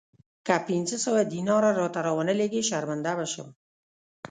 که پنځه سوه دیناره راته را ونه لېږې شرمنده به شم.